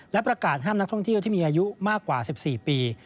และประกาศห้ามนักท่องเที่ยวที่มีอายุมากกว่า๑๔ปี